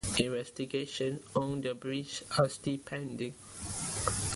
Investigations on the breach are still pending.